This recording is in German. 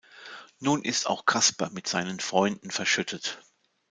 Nun ist auch Kasper mit seinen Freunden verschüttet.